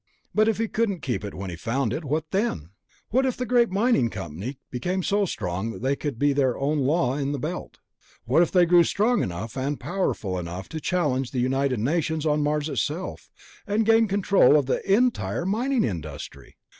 But if he couldn't keep it when he found it, then what? What if the great mining company became so strong that they could be their own law in the Belt? What if they grew strong enough and powerful enough to challenge the United Nations on Mars itself, and gain control of the entire mining industry?